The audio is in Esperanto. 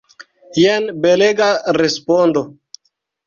Jen belega respondo!